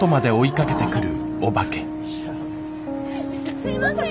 すいません！